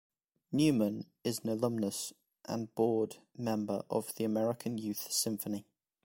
Newman is an alumnus and Board Member of the American Youth Symphony.